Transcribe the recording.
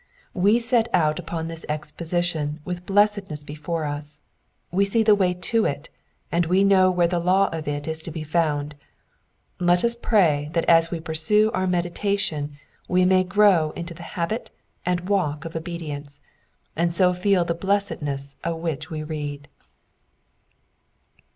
We set out upon this exposition with blessedness before us ; we see the way to it, and we know where the law of it is to be found : let us pray that as we pursue our meditation we may grow into the habit and walk of obedience, and so feel the blessedness of which we read.